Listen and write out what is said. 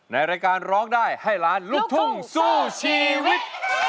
ในรายการร้องได้ให้ล้านลูกทุ่งสู้ชีวิต